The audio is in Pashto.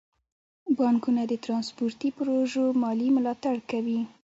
بانکونه د ترانسپورتي پروژو مالي ملاتړ کوي.